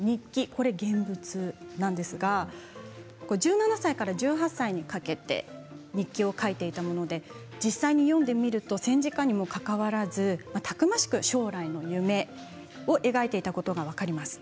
これ、現物なんですが１７歳から１８歳にかけて日記を書いていたもので実際に読んでみると戦時下にもかかわらずたくましく、将来の夢を描いていたことが分かります。